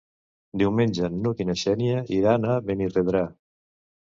Diumenge n'Hug i na Xènia iran a Benirredrà.